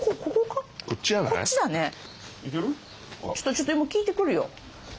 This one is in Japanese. ちょっと今聞いてくるよ。